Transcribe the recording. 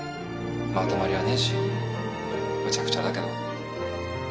まとまりはねえしむちゃくちゃだけど。